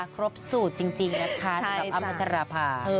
ครบสูตรจริงนะคะสำหรับอ้ำพัชราภา